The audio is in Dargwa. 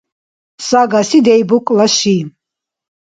Сагаси Дейбукӏла ши.